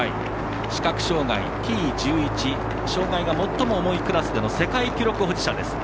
視覚障がい障がいが最も重いクラスでの世界記録保持者です。